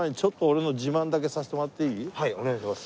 はいお願いします。